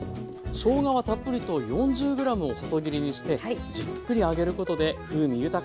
しょうがはたっぷりと４０ｇを細切りにしてじっくり揚げることで風味豊かなオイルになります。